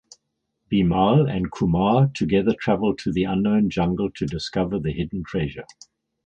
Bimal and Kumar together travel to the unknown jungle to discover the hidden treasure.